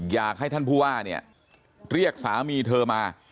อยากให้ท่านผู้อ้าเรียกสามีเธอมา